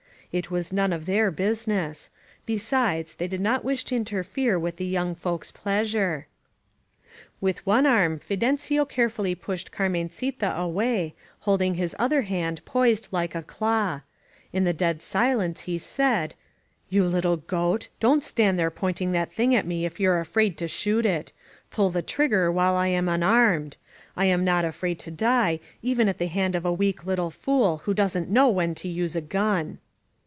It was none of their business; be sides, they did not wish to interfere with the young folks' pleasure. With one arm Fidencio carefully pushed Carmencita away, holding his other hand poised like a claw. In the dead silence he said: ^TTou little goat! Don't stand there pointing that thing at me if you're afraid to shoot it ! Pull the trig ger while I am unarmed ! I am not afraid to die, even at the hand of « weak little fool who doesn't know when to use a gun!"